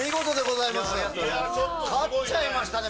勝っちゃいましたね